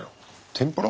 天ぷら？